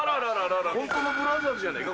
本当のブラザーズじゃねえか？